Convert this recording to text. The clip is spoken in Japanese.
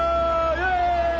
イエーイ！